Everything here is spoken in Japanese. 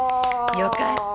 よかった。